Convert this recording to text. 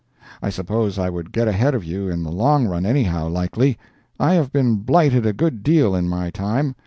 I suppose I would get ahead of you in the long run anyhow, likely. I have been blighted a good deal in my time.